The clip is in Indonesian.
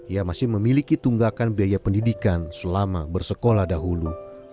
ia masih memiliki tunggakan biaya pendidikan selama bersekolah dahulu